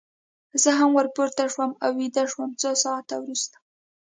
زه هم ور پورته شوم او ویده شوم، څو ساعته وروسته.